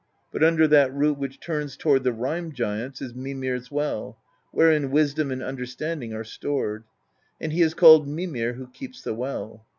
But under that root which turns toward the Rime Giants is Mimir's Well, wherein wisdom and understanding are stored; and he is called Mimir, who keeps the well.